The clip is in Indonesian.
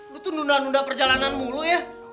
lu tuh nunda nunda perjalanan mulu ya